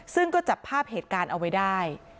ซึ่งก็จับภาพเหตุการณ์เอาไว้ได้